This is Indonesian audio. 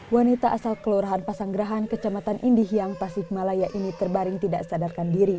wanita asal kelurahan pasanggerahan kecamatan indih yang tasikmalaya ini terbaring tidak sadarkan diri